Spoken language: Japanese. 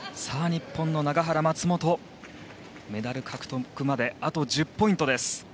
日本の永原、松本メダル獲得まであと１０ポイントです。